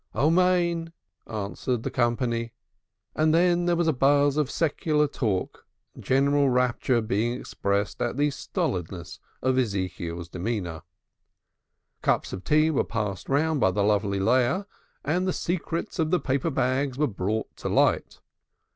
"Amen," answered the company, and then there was a buzz of secular talk, general rapture being expressed at the stolidness of Ezekiel's demeanor. Cups of tea were passed round by the lovely Leah, and the secrets of the paper bags were brought to light.